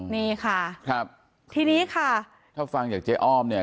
นี่ค่ะครับทีนี้ค่ะถ้าฟังจากเจ๊อ้อมเนี่ย